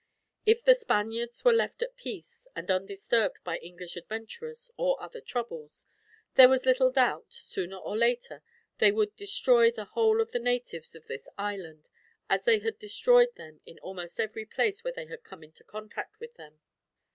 If the Spaniards were left at peace, and undisturbed by English adventurers or other troubles, there was little doubt, sooner or later, they would destroy the whole of the natives of this island, as they had destroyed them in almost every place where they had come in contact with them.